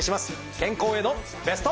健康へのベスト。